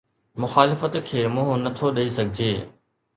مخالفت کي منهن نه ٿو ڏئي سگهجي